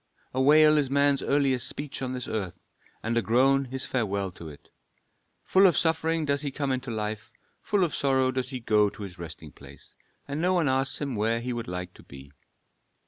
"A wail is man's earliest speech on this earth, and a groan his farewell to it. Full of suffering does he come into life, full of sorrow does he go to his resting place, and no one asks him where he would like to be.